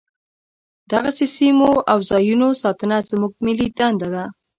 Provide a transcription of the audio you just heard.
دغسې سیمو او ځاینونو ساتنه زموږ ملي دنده ده.